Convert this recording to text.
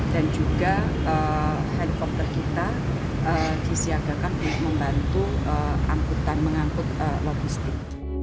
dan juga helicopter kita disiagakan untuk membantu mengangkut logistik